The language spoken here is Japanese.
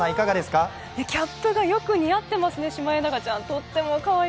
キャップがよく似合ってますね、シマエナガちゃん。